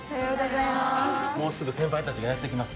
もうすぐ先輩たちがやってきます。